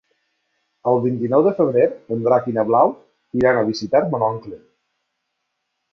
El vint-i-nou de febrer en Drac i na Blau iran a visitar mon oncle.